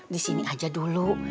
di sini aja dulu